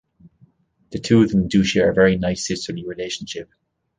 The two of them do share a very nice sisterly relationship.